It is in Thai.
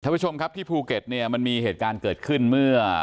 ผู้ชมครับที่ภูเก็ตเนี่ยมันมีเหตุการณ์เกิดขึ้นเมื่อ